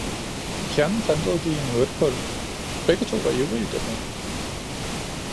Og Kjærnen plantede de i en Urtepotte, begge To vare ivrige dermed.